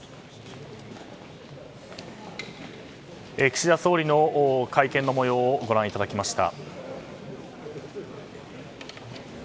岸田総理の会見の模様をご覧いただきました。